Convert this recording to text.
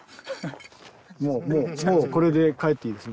もうもうもうこれで帰っていいです。